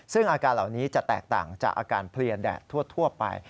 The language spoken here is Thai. ซึ่งอาการเหล่านี้จะแตกต่างจากอาการเพลียแดดทั่วไป